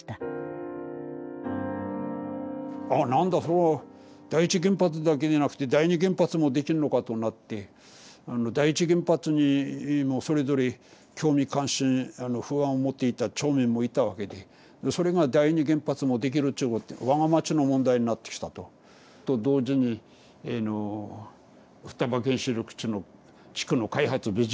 「あ何だ第一原発だけでなくて第二原発もできるのか」となって第一原発にもそれぞれ興味関心不安を持っていた町民もいたわけでそれが第二原発もできるっちゅうことで我が町の問題になってきたと。と同時にあの双葉原子力地区の開発ビジョン